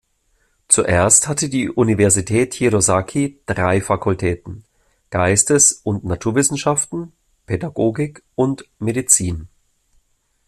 Zuerst hatte die Universität Hirosaki drei Fakultäten: Geistes- und Naturwissenschaften, Pädagogik und Medizin.